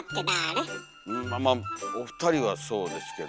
まあお二人はそうですけども。